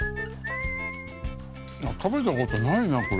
食べた事ないなこれ。